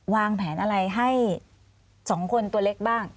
วางแผนอะไรให้๒คนตัวเล็กบ้าง